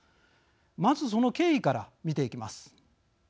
まず、その経緯から見ていきます。